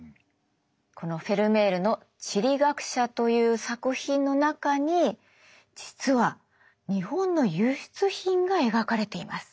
このフェルメールの「地理学者」という作品の中に実は日本の輸出品が描かれています。